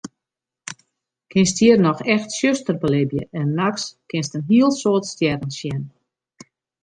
Kinst hjir noch echt tsjuster belibje en nachts kinst in hiel soad stjerren sjen.